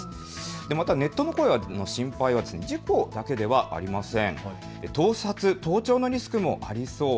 またネットでの心配の声は事故だけではありません。